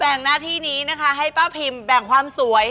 งหน้าที่นี้นะคะให้ป้าพิมแบ่งความสวย